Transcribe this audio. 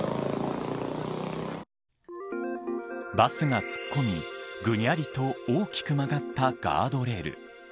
バスが突っ込みぐにゃりと大きく曲がったガードレール。